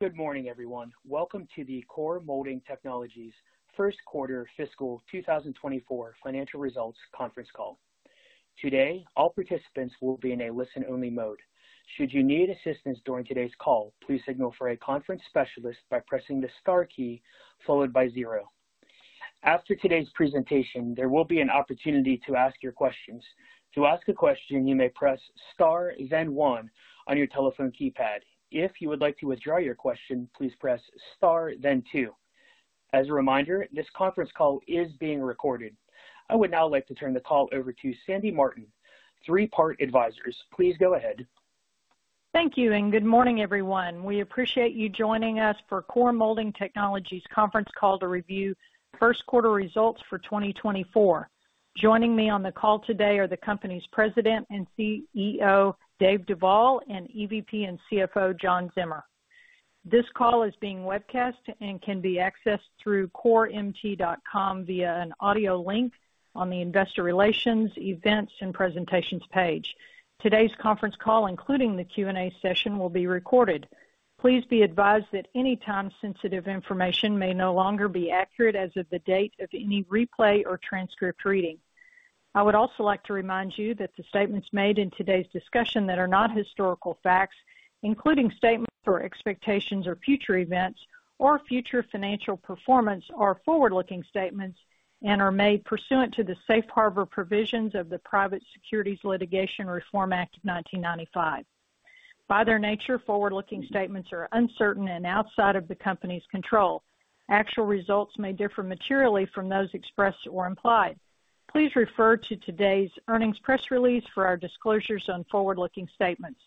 Good morning, everyone. Welcome to the Core Molding Technologies First Quarter Fiscal 2024 Financial Results Conference Call. Today, all participants will be in a listen-only mode. Should you need assistance during today's call, please signal for a conference specialist by pressing the star key followed by zero. After today's presentation, there will be an opportunity to ask your questions. To ask a question, you may press star, then one on your telephone keypad. If you would like to withdraw your question, please press star, then two. As a reminder, this conference call is being recorded. I would now like to turn the call over to Sandy Martin, Three Part Advisors. Please go ahead. Thank you, and good morning, everyone. We appreciate you joining us for Core Molding Technologies' conference call to review first quarter results for 2024. Joining me on the call today are the company's President and CEO, Dave Duvall, and EVP and CFO, John Zimmer. This call is being webcast and can be accessed through coremt.com via an audio link on the Investor Relations, Events, and Presentations page. Today's conference call, including the Q&A session, will be recorded. Please be advised that any time-sensitive information may no longer be accurate as of the date of any replay or transcript reading. I would also like to remind you that the statements made in today's discussion that are not historical facts, including statements for expectations or future events or future financial performance, are forward-looking statements and are made pursuant to the Safe Harbor provisions of the Private Securities Litigation Reform Act of 1995. By their nature, forward-looking statements are uncertain and outside of the company's control. Actual results may differ materially from those expressed or implied. Please refer to today's earnings press release for our disclosures on forward-looking statements.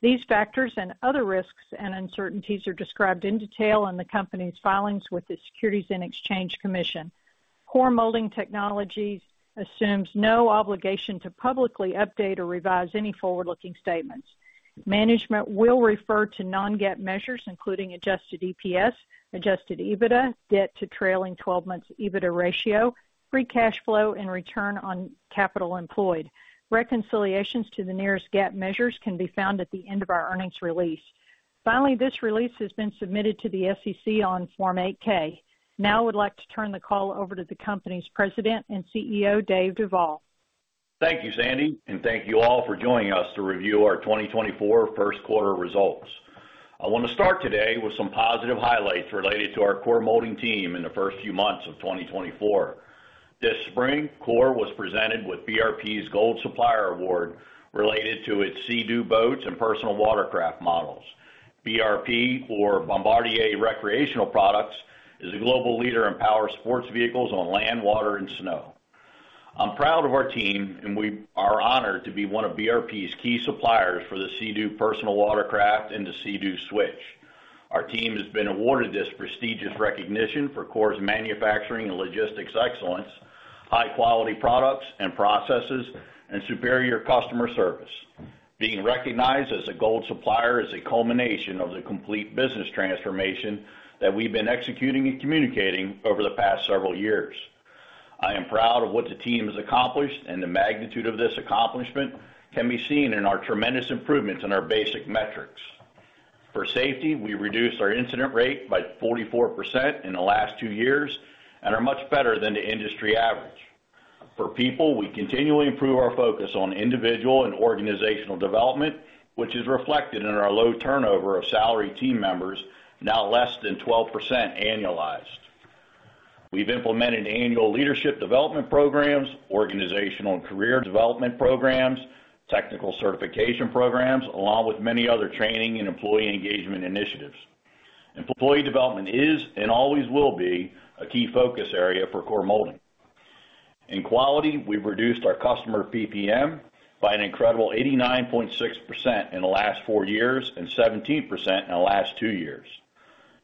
These factors and other risks and uncertainties are described in detail in the company's filings with the Securities and Exchange Commission. Core Molding Technologies assumes no obligation to publicly update or revise any forward-looking statements. Management will refer to non-GAAP measures, including adjusted EPS, adjusted EBITDA, debt to trailing 12-months EBITDA ratio, free cash flow, and return on capital employed. Reconciliations to the nearest GAAP measures can be found at the end of our earnings release. Finally, this release has been submitted to the SEC on Form 8-K. Now I would like to turn the call over to the company's President and CEO, Dave Duvall. Thank you, Sandy, and thank you all for joining us to review our 2024 first quarter results. I want to start today with some positive highlights related to our Core Molding team in the first few months of 2024. This spring, Core was presented with BRP's Gold Supplier Award related to its Sea-Doo boats and personal watercraft models. BRP, or Bombardier Recreational Products, is a global leader in powersports vehicles on land, water, and snow. I'm proud of our team, and we are honored to be one of BRP's key suppliers for the Sea-Doo personal watercraft and the Sea-Doo Switch. Our team has been awarded this prestigious recognition for Core's manufacturing and logistics excellence, high-quality products and processes, and superior customer service. Being recognized as a Gold Supplier is a culmination of the complete business transformation that we've been executing and communicating over the past several years. I am proud of what the team has accomplished, and the magnitude of this accomplishment can be seen in our tremendous improvements in our basic metrics. For safety, we reduced our incident rate by 44% in the last 2 years and are much better than the industry average. For people, we continually improve our focus on individual and organizational development, which is reflected in our low turnover of salary team members, now less than 12% annualized. We've implemented annual leadership development programs, organizational and career development programs, technical certification programs, along with many other training and employee engagement initiatives. Employee development is and always will be a key focus area for Core Molding. In quality, we've reduced our customer PPM by an incredible 89.6% in the last 4 years and 17% in the last 2 years.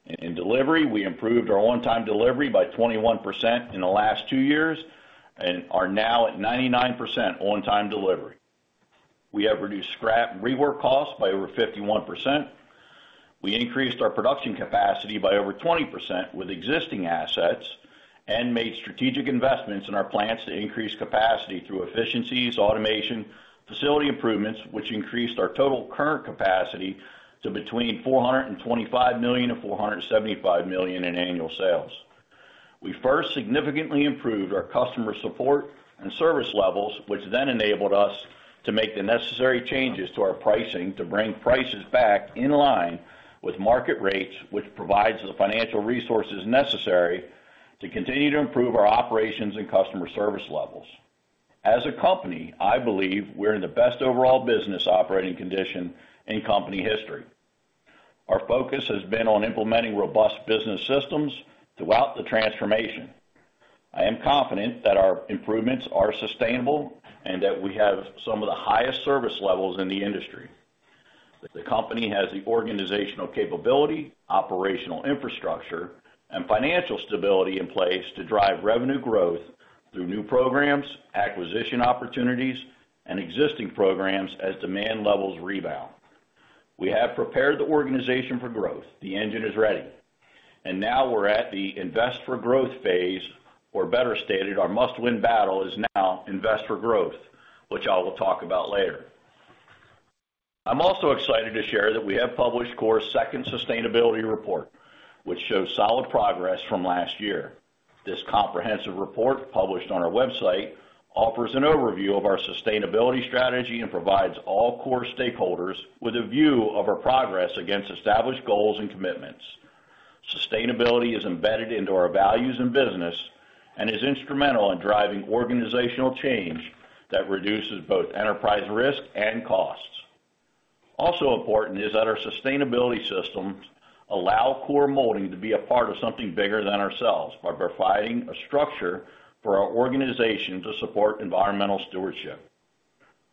In delivery, we improved our on-time delivery by 21% in the last 2 years and are now at 99% on-time delivery. We have reduced scrap and rework costs by over 51%. We increased our production capacity by over 20% with existing assets and made strategic investments in our plants to increase capacity through efficiencies, automation, facility improvements, which increased our total current capacity to between $425 million and $475 million in annual sales. We first significantly improved our customer support and service levels, which then enabled us to make the necessary changes to our pricing to bring prices back in line with market rates, which provides the financial resources necessary to continue to improve our operations and customer service levels. As a company, I believe we're in the best overall business operating condition in company history. Our focus has been on implementing robust business systems throughout the transformation. I am confident that our improvements are sustainable and that we have some of the highest service levels in the industry. The company has the organizational capability, operational infrastructure, and financial stability in place to drive revenue growth through new programs, acquisition opportunities, and existing programs as demand levels rebound. We have prepared the organization for growth. The engine is ready. And now we're at the invest for growth phase, or better stated, our must-win battle is now invest for growth, which I will talk about later. I'm also excited to share that we have published Core's second sustainability report, which shows solid progress from last year. This comprehensive report, published on our website, offers an overview of our sustainability strategy and provides all Core stakeholders with a view of our progress against established goals and commitments. Sustainability is embedded into our values and business and is instrumental in driving organizational change that reduces both enterprise risk and costs. Also important is that our sustainability systems allow Core Molding to be a part of something bigger than ourselves by providing a structure for our organization to support environmental stewardship.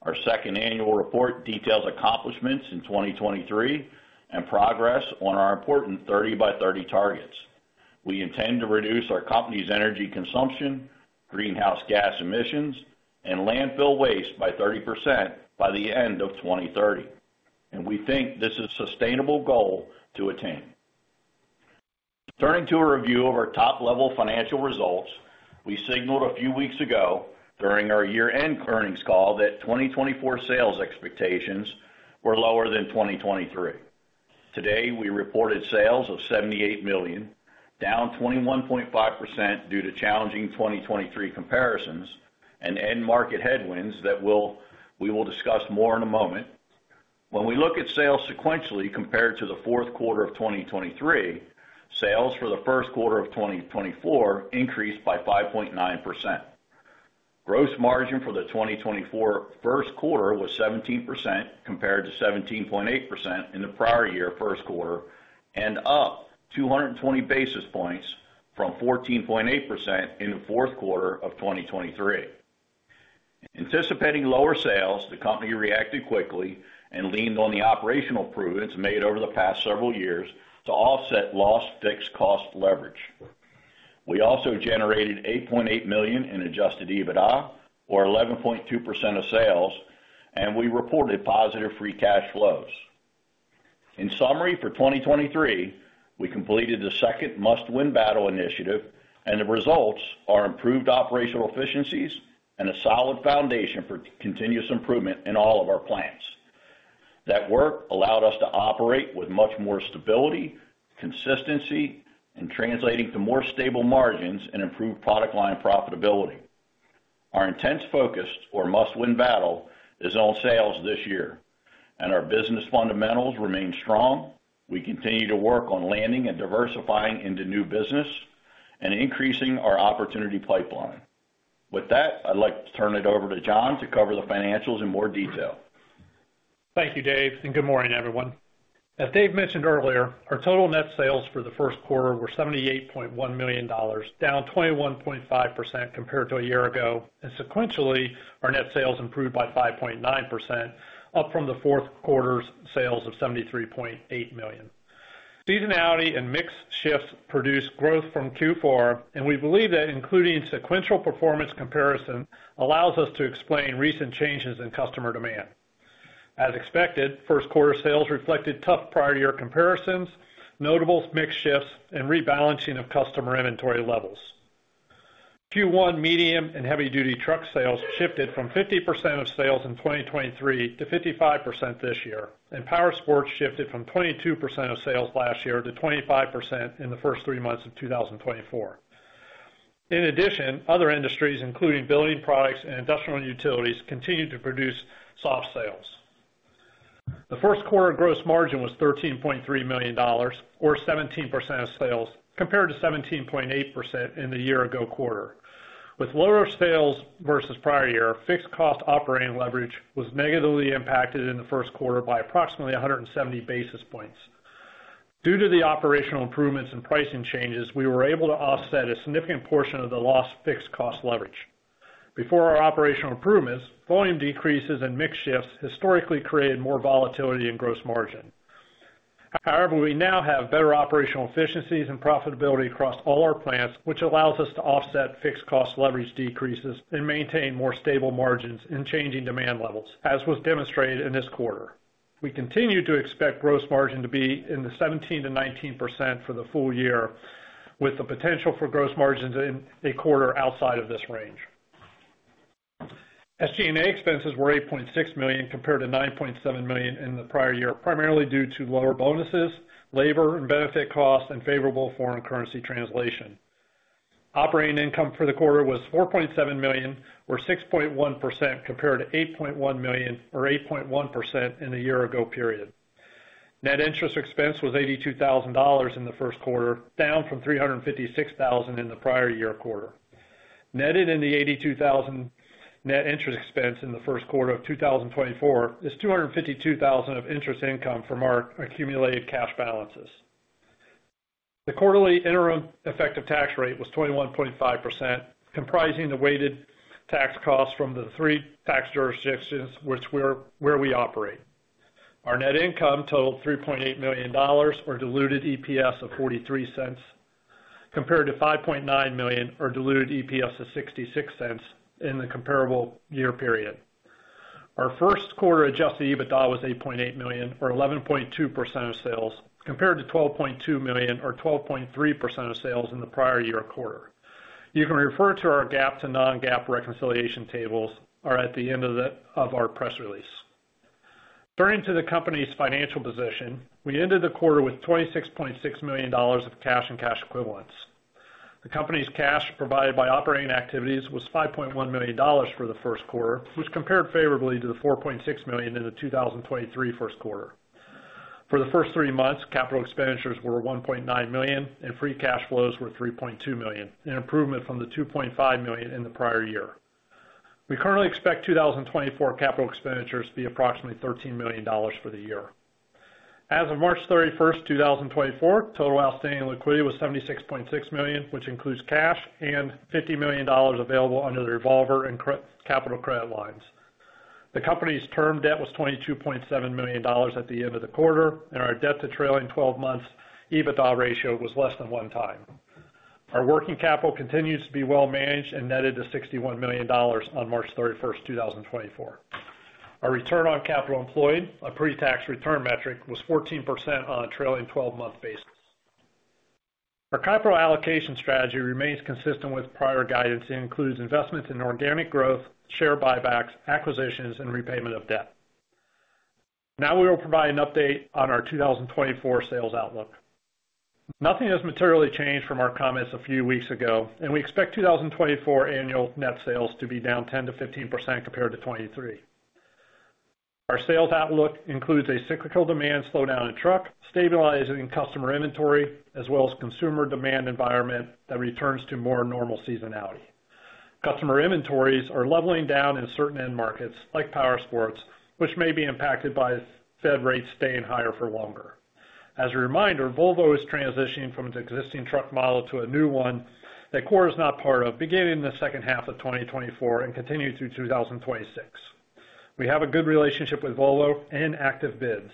Our second annual report details accomplishments in 2023 and progress on our important 30 by 30 targets. We intend to reduce our company's energy consumption, greenhouse gas emissions, and landfill waste by 30% by the end of 2030, and we think this is a sustainable goal to attain. Turning to a review of our top-level financial results, we signaled a few weeks ago during our year-end earnings call that 2024 sales expectations were lower than 2023. Today, we reported sales of $78 million, down 21.5% due to challenging 2023 comparisons and end-market headwinds that we will discuss more in a moment. When we look at sales sequentially compared to the fourth quarter of 2023, sales for the first quarter of 2024 increased by 5.9%. Gross margin for the 2024 first quarter was 17% compared to 17.8% in the prior year first quarter and up 220 basis points from 14.8% in the fourth quarter of 2023. Anticipating lower sales, the company reacted quickly and leaned on the operational improvements made over the past several years to offset lost fixed cost leverage. We also generated $8.8 million in adjusted EBITDA, or 11.2% of sales, and we reported positive free cash flows. In summary, for 2023, we completed the second must-win battle initiative, and the results are improved operational efficiencies and a solid foundation for continuous improvement in all of our plants. That work allowed us to operate with much more stability, consistency, and translating to more stable margins and improved product line profitability. Our intense focus, or Must Win Battle, is on sales this year, and our business fundamentals remain strong. We continue to work on landing and diversifying into new business and increasing our opportunity pipeline. With that, I'd like to turn it over to John to cover the financials in more detail. Thank you, Dave, and good morning, everyone. As Dave mentioned earlier, our total net sales for the first quarter were $78.1 million, down 21.5% compared to a year ago, and sequentially, our net sales improved by 5.9%, up from the fourth quarter's sales of $73.8 million. Seasonality and mixed shifts produced growth from Q4, and we believe that including sequential performance comparisons allows us to explain recent changes in customer demand. As expected, first quarter sales reflected tough prior-year comparisons, notable mixed shifts, and rebalancing of customer inventory levels. Q1 medium and heavy-duty truck sales shifted from 50% of sales in 2023 to 55% this year, and powersports shifted from 22% of sales last year to 25% in the first three months of 2024. In addition, other industries, including building products and industrial utilities, continue to produce soft sales. The first quarter gross margin was $13.3 million, or 17% of sales, compared to 17.8% in the year-ago quarter. With lower sales versus prior year, fixed cost operating leverage was negatively impacted in the first quarter by approximately 170 basis points. Due to the operational improvements and pricing changes, we were able to offset a significant portion of the lost fixed cost leverage. Before our operational improvements, volume decreases and mixed shifts historically created more volatility in gross margin. However, we now have better operational efficiencies and profitability across all our plants, which allows us to offset fixed cost leverage decreases and maintain more stable margins in changing demand levels, as was demonstrated in this quarter. We continue to expect gross margin to be in the 17%-19% for the full year, with the potential for gross margins in a quarter outside of this range. SG&A expenses were $8.6 million compared to $9.7 million in the prior year, primarily due to lower bonuses, labor and benefit costs, and favorable foreign currency translation. Operating income for the quarter was $4.7 million, or 6.1% compared to $8.1 million, or 8.1% in the year-ago period. Net interest expense was $82,000 in the first quarter, down from $356,000 in the prior year quarter. Netted in the $82,000 net interest expense in the first quarter of 2024 is $252,000 of interest income from our accumulated cash balances. The quarterly interim effective tax rate was 21.5%, comprising the weighted tax costs from the three tax jurisdictions where we operate. Our net income totaled $3.8 million, or diluted EPS of $0.43, compared to $5.9 million, or diluted EPS of $0.66 in the comparable year period. Our first quarter adjusted EBITDA was $8.8 million, or 11.2% of sales, compared to $12.2 million, or 12.3% of sales in the prior year quarter. You can refer to our GAAP to non-GAAP reconciliation tables at the end of our press release. Turning to the company's financial position, we ended the quarter with $26.6 million of cash and cash equivalents. The company's cash provided by operating activities was $5.1 million for the first quarter, which compared favorably to the $4.6 million in the 2023 first quarter. For the first three months, capital expenditures were $1.9 million, and free cash flows were $3.2 million, an improvement from the $2.5 million in the prior year. We currently expect 2024 capital expenditures to be approximately $13 million for the year. As of March 31st, 2024, total outstanding liquidity was $76.6 million, which includes cash and $50 million available under the revolver and capital credit lines. The company's term debt was $22.7 million at the end of the quarter, and our debt-to-trailing 12-month EBITDA ratio was less than 1x. Our working capital continues to be well managed and netted to $61 million on March 31, 2024. Our return on capital employed, a pre-tax return metric, was 14% on a trailing 12-month basis. Our capital allocation strategy remains consistent with prior guidance and includes investments in organic growth, share buybacks, acquisitions, and repayment of debt. Now we will provide an update on our 2024 sales outlook. Nothing has materially changed from our comments a few weeks ago, and we expect 2024 annual net sales to be down 10%-15% compared to 2023. Our sales outlook includes a cyclical demand slowdown in truck, stabilizing customer inventory, as well as a consumer demand environment that returns to more normal seasonality. Customer inventories are leveling down in certain end markets, like powersports, which may be impacted by Fed rates staying higher for longer. As a reminder, Volvo is transitioning from its existing truck model to a new one that Core is not part of, beginning in the second half of 2024 and continuing through 2026. We have a good relationship with Volvo and active bids.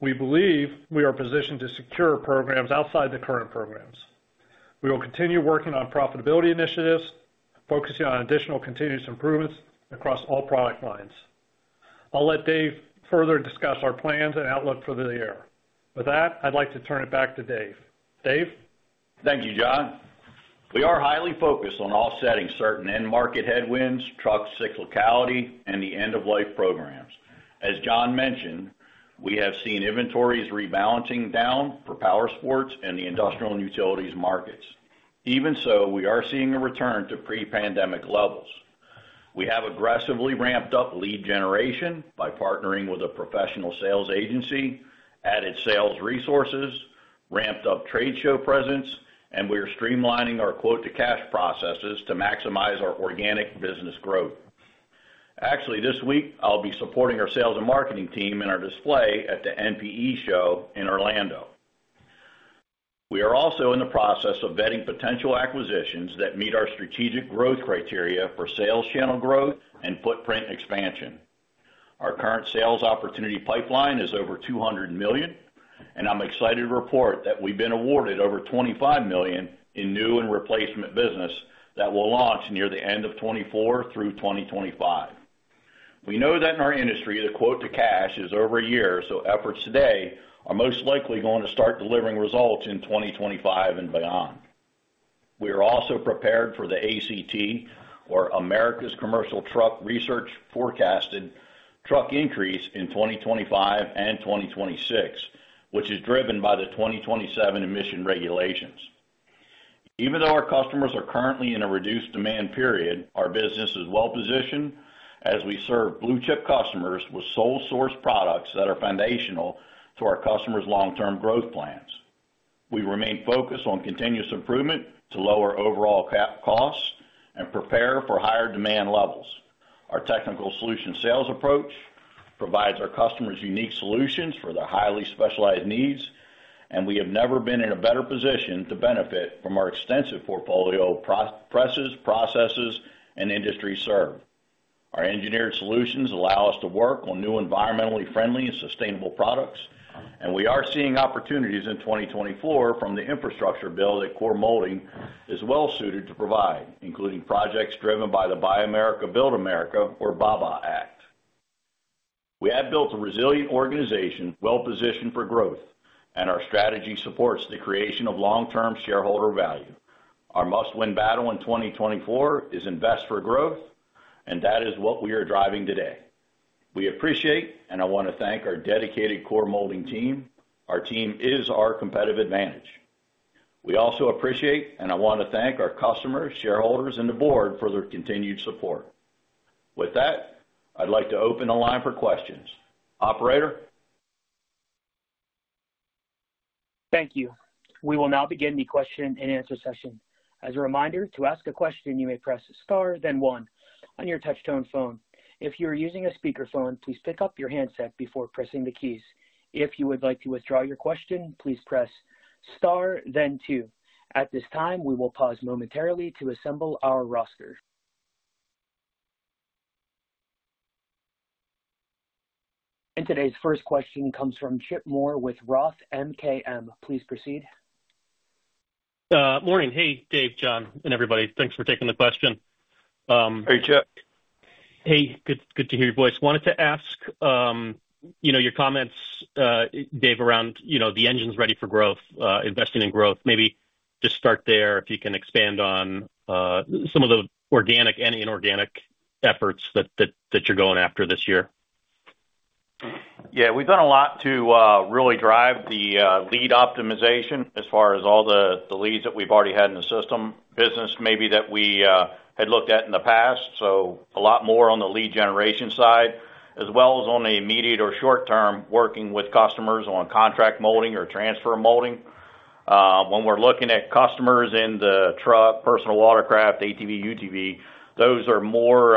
We believe we are positioned to secure programs outside the current programs. We will continue working on profitability initiatives, focusing on additional continuous improvements across all product lines. I'll let Dave further discuss our plans and outlook for the year. With that, I'd like to turn it back to Dave. Dave? Thank you, John. We are highly focused on offsetting certain end-market headwinds, truck cyclicality, and the end-of-life programs. As John mentioned, we have seen inventories rebalancing down for powersports and the industrial and utilities markets. Even so, we are seeing a return to pre-pandemic levels. We have aggressively ramped up lead generation by partnering with a professional sales agency, added sales resources, ramped up trade show presence, and we are streamlining our quote-to-cash processes to maximize our organic business growth. Actually, this week, I'll be supporting our sales and marketing team in our display at the NPE show in Orlando. We are also in the process of vetting potential acquisitions that meet our strategic growth criteria for sales channel growth and footprint expansion. Our current sales opportunity pipeline is over $200 million, and I'm excited to report that we've been awarded over $25 million in new and replacement business that will launch near the end of 2024 through 2025. We know that in our industry, the quote-to-cash is over a year, so efforts today are most likely going to start delivering results in 2025 and beyond. We are also prepared for the ACT Research forecasted truck increase in 2025 and 2026, which is driven by the 2027 emission regulations. Even though our customers are currently in a reduced demand period, our business is well positioned as we serve blue-chip customers with sole-source products that are foundational to our customers' long-term growth plans. We remain focused on continuous improvement to lower overall costs and prepare for higher demand levels. Our technical solution sales approach provides our customers unique solutions for their highly specialized needs, and we have never been in a better position to benefit from our extensive portfolio of presses, processes, and industries served. Our engineered solutions allow us to work on new environmentally friendly and sustainable products, and we are seeing opportunities in 2024 from the infrastructure bill that Core Molding is well suited to provide, including projects driven by the Build America, Buy America or BABA Act. We have built a resilient organization, well positioned for growth, and our strategy supports the creation of long-term shareholder value. Our must-win battle in 2024 is invest for growth, and that is what we are driving today. We appreciate, and I want to thank our dedicated Core Molding team. Our team is our competitive advantage. We also appreciate, and I want to thank our customers, shareholders, and the board for their continued support. With that, I'd like to open the line for questions. Operator? Thank you. We will now begin the question and answer session. As a reminder, to ask a question, you may press star, then one, on your touch-tone phone. If you are using a speakerphone, please pick up your handset before pressing the keys. If you would like to withdraw your question, please press star, then two. At this time, we will pause momentarily to assemble our roster. Today's first question comes from Chip Moore with ROTH MKM. Please proceed. Morning. Hey, Dave, John, and everybody. Thanks for taking the question. Hey, Chip. Hey. Good to hear your voice. Wanted to ask your comments, Dave, around the engines ready for growth, investing in growth. Maybe just start there if you can expand on some of the organic and inorganic efforts that you're going after this year. Yeah. We've done a lot to really drive the lead optimization as far as all the leads that we've already had in the system, business maybe that we had looked at in the past, so a lot more on the lead generation side, as well as on the immediate or short-term working with customers on contract molding or transfer molding. When we're looking at customers in the truck, personal watercraft, ATV, UTV, those are more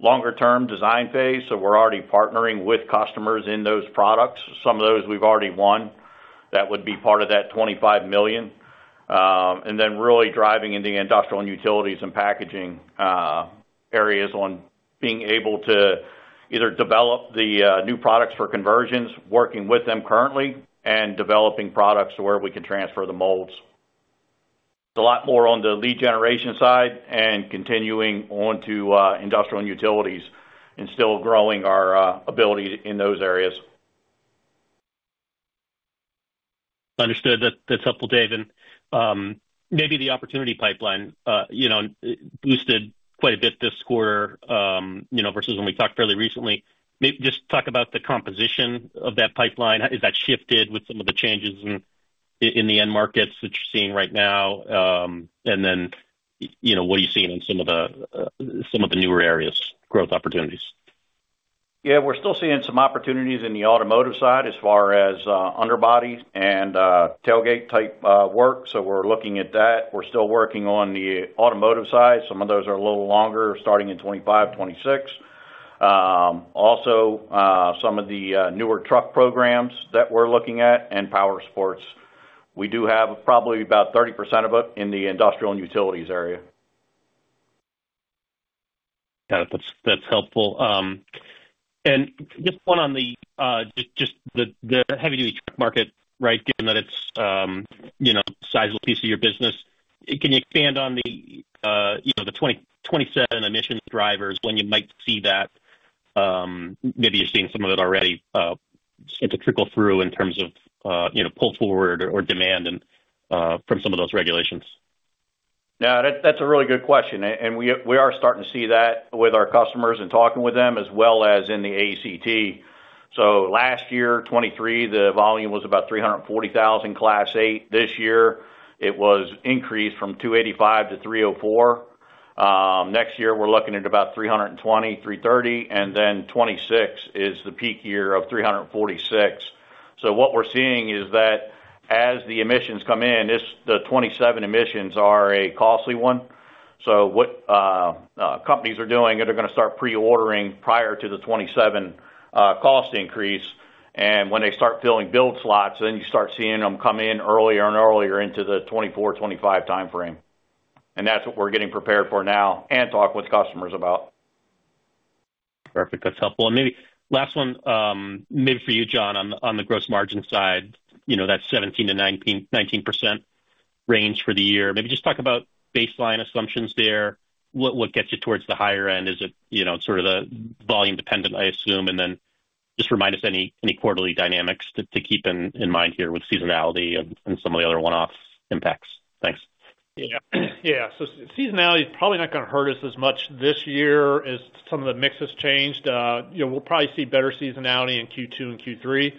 longer-term design phase, so we're already partnering with customers in those products. Some of those we've already won. That would be part of that $25 million. And then really driving in the industrial and utilities and packaging areas on being able to either develop the new products for conversions, working with them currently, and developing products to where we can transfer the molds. It's a lot more on the lead generation side and continuing onto industrial and utilities and still growing our ability in those areas. Understood. That's helpful, Dave. And maybe the opportunity pipeline boosted quite a bit this quarter versus when we talked fairly recently. Just talk about the composition of that pipeline. Has that shifted with some of the changes in the end markets that you're seeing right now? And then what are you seeing in some of the newer areas, growth opportunities? Yeah. We're still seeing some opportunities in the automotive side as far as underbody and tailgate-type work, so we're looking at that. We're still working on the automotive side. Some of those are a little longer, starting in 2025, 2026. Also, some of the newer truck programs that we're looking at and powersports, we do have probably about 30% of it in the industrial and utilities area. Got it. That's helpful. And just one on the heavy-duty truck market, right, given that it's a sizable piece of your business. Can you expand on the 2027 emissions drivers, when you might see that? Maybe you're seeing some of it already. It's a trickle-through in terms of pull forward or demand from some of those regulations. Yeah. That's a really good question. And we are starting to see that with our customers and talking with them, as well as in the ACT. So last year, 2023, the volume was about $340,000 Class 8. This year, it was increased from $285,000-$304,000. Next year, we're looking at about $320,000-$330,000, and then 2026 is the peak year of $346,000. So what we're seeing is that as the emissions come in, the 2027 emissions are a costly one. So what companies are doing is they're going to start pre-ordering prior to the 2027 cost increase. And when they start filling build slots, then you start seeing them come in earlier and earlier into the 2024, 2025 time frame. And that's what we're getting prepared for now and talk with customers about. Perfect. That's helpful. And maybe last one, maybe for you, John, on the gross margin side, that 17%-19% range for the year. Maybe just talk about baseline assumptions there. What gets you towards the higher end? Is it sort of the volume-dependent, I assume? And then just remind us any quarterly dynamics to keep in mind here with seasonality and some of the other one-off impacts. Thanks. Yeah. Yeah. So seasonality is probably not going to hurt us as much this year as some of the mix has changed. We'll probably see better seasonality in Q2 and Q3.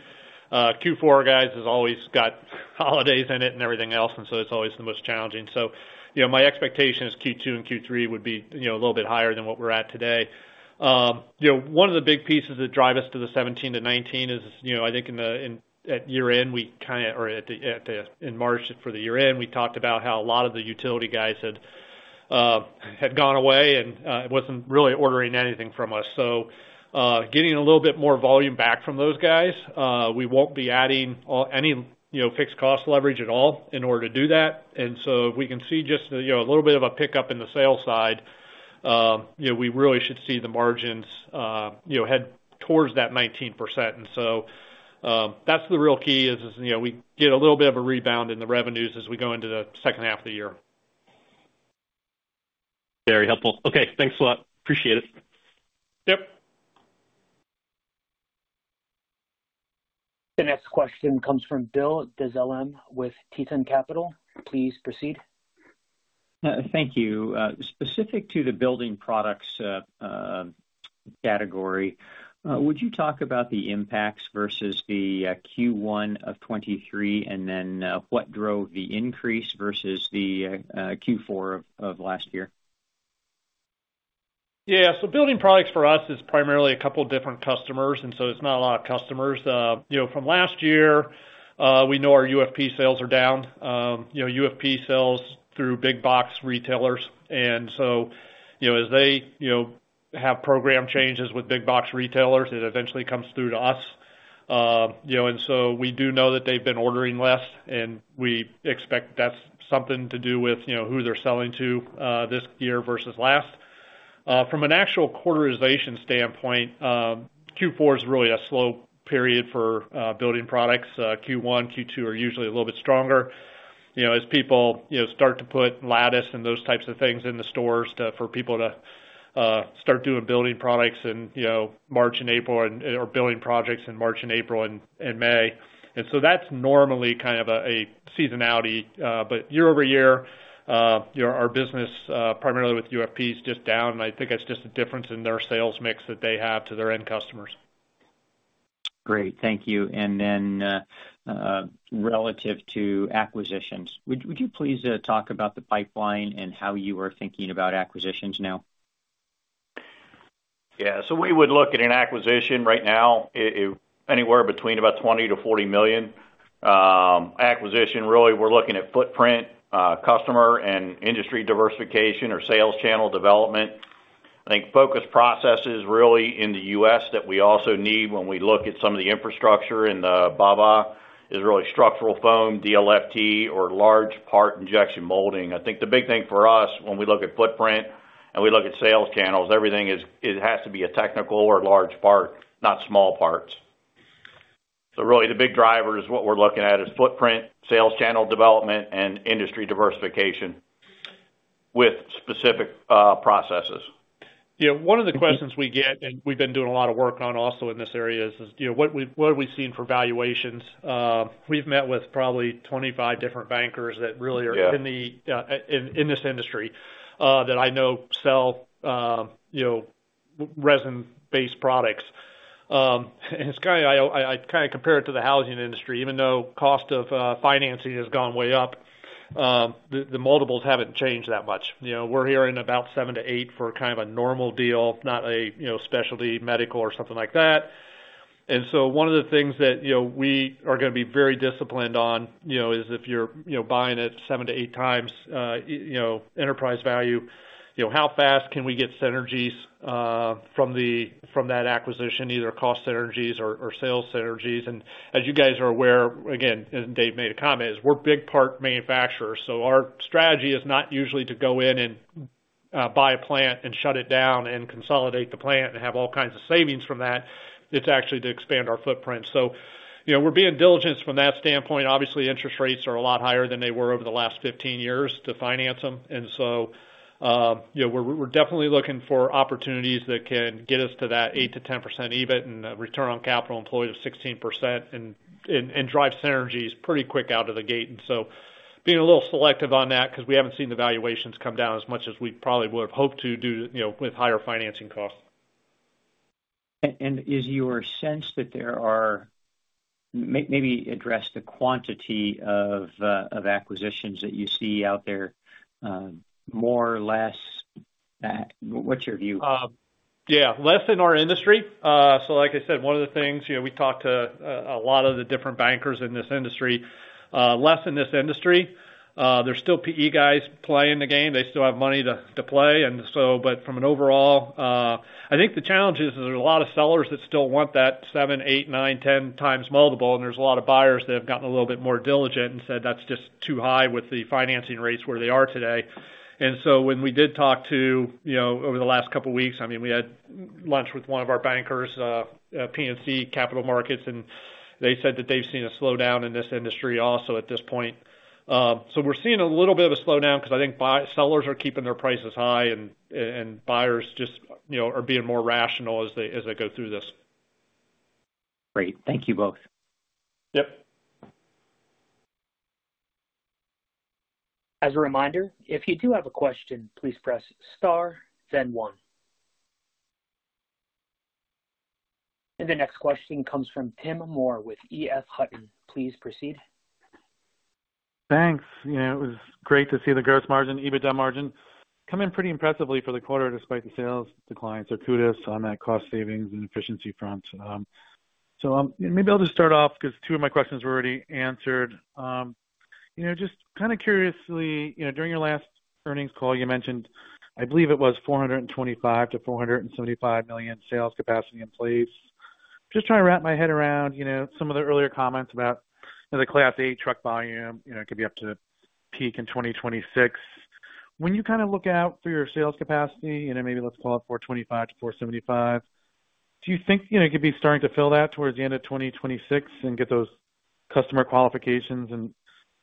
Q4, guys, has always got holidays in it and everything else, and so it's always the most challenging. So my expectation is Q2 and Q3 would be a little bit higher than what we're at today. One of the big pieces that drive us to the 17%-19% is, I think, at year-end, we kind of or in March for the year-end, we talked about how a lot of the utility guys had gone away and wasn't really ordering anything from us. So getting a little bit more volume back from those guys, we won't be adding any fixed cost leverage at all in order to do that. If we can see just a little bit of a pickup in the sales side, we really should see the margins head towards that 19%. That's the real key, is we get a little bit of a rebound in the revenues as we go into the second half of the year. Very helpful. Okay. Thanks a lot. Appreciate it. Yep. The next question comes from Bill Dezellem with Tieton Capital. Please proceed. Thank you. Specific to the building products category, would you talk about the impacts versus the Q1 of 2023 and then what drove the increase versus the Q4 of last year? Yeah. So building products, for us, is primarily a couple of different customers, and so it's not a lot of customers. From last year, we know our UFP sales are down. UFP sells through big-box retailers. And so as they have program changes with big-box retailers, it eventually comes through to us. And so we do know that they've been ordering less, and we expect that's something to do with who they're selling to this year versus last. From an actual quarterization standpoint, Q4 is really a slow period for building products. Q1, Q2 are usually a little bit stronger as people start to put lattice and those types of things in the stores for people to start doing building products in March and April or building projects in March and April and May. And so that's normally kind of a seasonality. Year-over-year, our business, primarily with UFPs, is just down. I think it's just a difference in their sales mix that they have to their end customers. Great. Thank you. Then relative to acquisitions, would you please talk about the pipeline and how you are thinking about acquisitions now? Yeah. So we would look at an acquisition right now anywhere between about $20 million-$40 million. Acquisition, really, we're looking at footprint, customer, and industry diversification or sales channel development. I think focus processes, really, in the U.S. that we also need when we look at some of the infrastructure in the BABA is really structural foam, DLFT, or large part injection molding. I think the big thing for us, when we look at footprint and we look at sales channels, everything has to be a technical or large part, not small parts. So really, the big driver is what we're looking at is footprint, sales channel development, and industry diversification with specific processes. Yeah. One of the questions we get, and we've been doing a lot of work on also in this area, is what have we seen for valuations? We've met with probably 25 different bankers that really are in this industry that I know sell resin-based products. And it's kind of I kind of compare it to the housing industry. Even though cost of financing has gone way up, the multiples haven't changed that much. We're hearing about 7%-8% for kind of a normal deal, not a specialty medical or something like that. And so one of the things that we are going to be very disciplined on is if you're buying at 7x-8x enterprise value, how fast can we get synergies from that acquisition, either cost synergies or sales synergies? As you guys are aware, again, as Dave made a comment, we're big part manufacturers. So our strategy is not usually to go in and buy a plant and shut it down and consolidate the plant and have all kinds of savings from that. It's actually to expand our footprint. So we're being diligent from that standpoint. Obviously, interest rates are a lot higher than they were over the last 15 years to finance them. And so we're definitely looking for opportunities that can get us to that 8%-10% EBIT and return on capital employed of 16% and drive synergies pretty quick out of the gate. And so being a little selective on that because we haven't seen the valuations come down as much as we probably would have hoped to do with higher financing costs. Is your sense that there are maybe address the quantity of acquisitions that you see out there, more, less? What's your view? Yeah. Less in our industry. So like I said, one of the things, we talk to a lot of the different bankers in this industry. Less in this industry. There's still PE guys playing the game. They still have money to play. But from an overall, I think the challenge is there's a lot of sellers that still want that 7x, 8x, 9x, 10x tmultiple, and there's a lot of buyers that have gotten a little bit more diligent and said, "That's just too high with the financing rates where they are today." And so when we did talk to over the last couple of weeks, I mean, we had lunch with one of our bankers, PC Capital Markets, and they said that they've seen a slowdown in this industry also at this point. We're seeing a little bit of a slowdown because I think sellers are keeping their prices high, and buyers just are being more rational as they go through this. Great. Thank you both. Yep. As a reminder, if you do have a question, please press star, then one. The next question comes from Tim Moore with EF Hutton. Please proceed. Thanks. It was great to see the gross margin, EBITDA margin come in pretty impressively for the quarter despite the sales decline. So kudos on that cost savings and efficiency front. So maybe I'll just start off because two of my questions were already answered. Just kind of curiously, during your last earnings call, you mentioned, I believe it was $425 million-$475 million sales capacity in place. Just trying to wrap my head around some of the earlier comments about the Class 8 truck volume. It could be up to peak in 2026. When you kind of look out for your sales capacity, maybe let's call it $425 million-$475 million, do you think it could be starting to fill that towards the end of 2026 and get those customer qualifications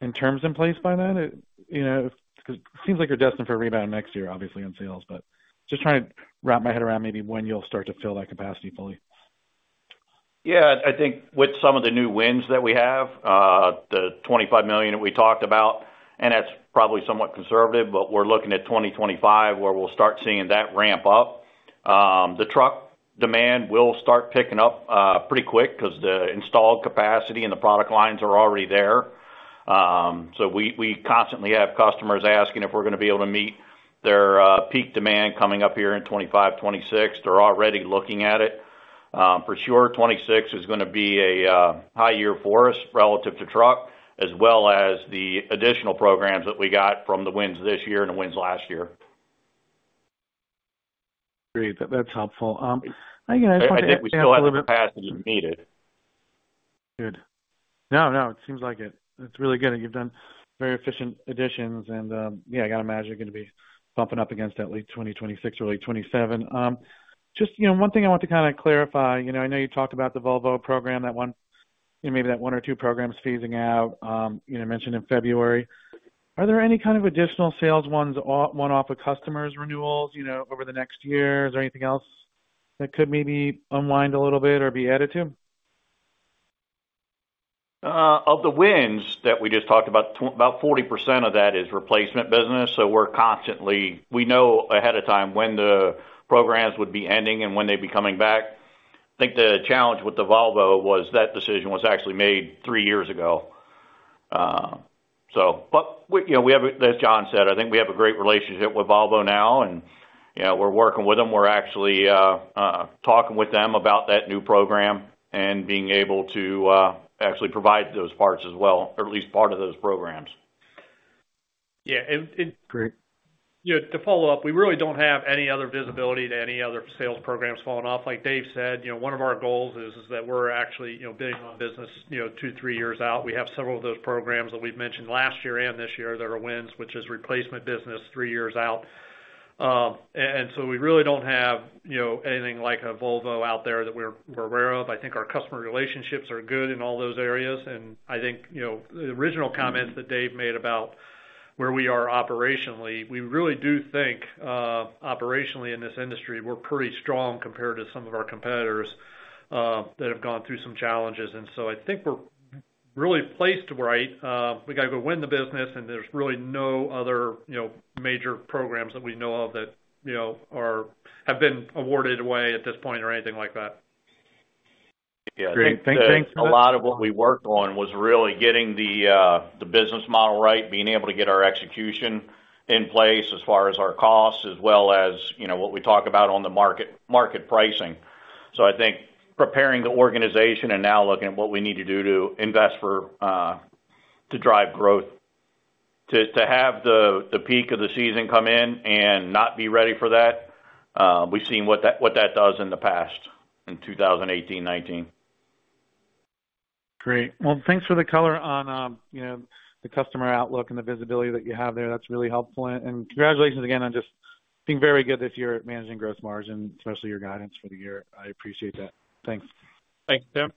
and terms in place by then? Because it seems like you're destined for a rebound next year, obviously, in sales. But just trying to wrap my head around maybe when you'll start to fill that capacity fully? Yeah. I think with some of the new wins that we have, the $25 million that we talked about, and that's probably somewhat conservative, but we're looking at 2025 where we'll start seeing that ramp up. The truck demand will start picking up pretty quick because the installed capacity and the product lines are already there. So we constantly have customers asking if we're going to be able to meet their peak demand coming up here in 2025, 2026. They're already looking at it. For sure, 2026 is going to be a high year for us relative to truck, as well as the additional programs that we got from the wins this year and the wins last year. Great. That's helpful. I think I just want to add a little bit. I think we still have capacity needed. Good. No, no. It seems like it. That's really good. You've done very efficient additions. And yeah, I got to imagine you're going to be bumping up against at least 2026 or late 2027. Just one thing I want to kind of clarify. I know you talked about the Volvo program, maybe that one or two programs phasing out, mentioned in February. Are there any kind of additional sales ones, one-off customers renewals over the next year? Is there anything else that could maybe unwind a little bit or be added to? Of the wins that we just talked about, about 40% of that is replacement business. So we know ahead of time when the programs would be ending and when they'd be coming back. I think the challenge with the Volvo was that decision was actually made 3 years ago, so. But as John said, I think we have a great relationship with Volvo now, and we're working with them. We're actually talking with them about that new program and being able to actually provide those parts as well, or at least part of those programs. Yeah. And. Great. To follow up, we really don't have any other visibility to any other sales programs falling off. Like Dave said, one of our goals is that we're actually bidding on business 2, 3 years out. We have several of those programs that we've mentioned last year and this year that are wins, which is replacement business 3 years out. And so we really don't have anything like a Volvo out there that we're aware of. I think our customer relationships are good in all those areas. And I think the original comments that Dave made about where we are operationally, we really do think operationally in this industry, we're pretty strong compared to some of our competitors that have gone through some challenges. And so I think we're really placed right. We got to go win the business, and there's really no other major programs that we know of that have been awarded away at this point or anything like that. Yeah. Thanks. A lot of what we worked on was really getting the business model right, being able to get our execution in place as far as our costs, as well as what we talk about on the market pricing. So I think preparing the organization and now looking at what we need to do to invest to drive growth, to have the peak of the season come in and not be ready for that, we've seen what that does in the past in 2018, 2019. Great. Well, thanks for the color on the customer outlook and the visibility that you have there. That's really helpful. And congratulations again on just being very good this year at managing gross margin, especially your guidance for the year. I appreciate that. Thanks. Thanks, Tim.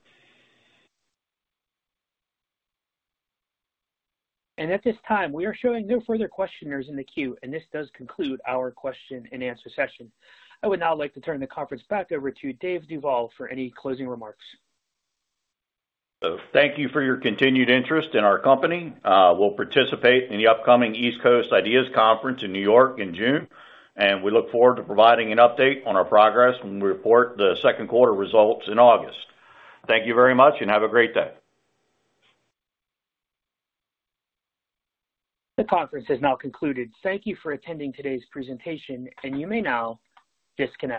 At this time, we are showing no further questioners in the queue, and this does conclude our question-and-answer session. I would now like to turn the conference back over to Dave Duvall for any closing remarks. Thank you for your continued interest in our company. We'll participate in the upcoming East Coast IDEAS Conference in New York in June, and we look forward to providing an update on our progress when we report the second quarter results in August. Thank you very much, and have a great day. The conference has now concluded. Thank you for attending today's presentation, and you may now disconnect.